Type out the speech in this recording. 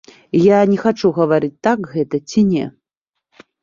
Я не хачу гаварыць, так гэта ці не.